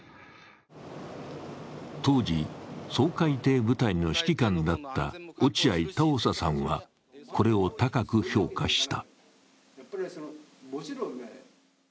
当時、掃海艇部隊の指揮官だった落合たおささんはこれを高く評価した。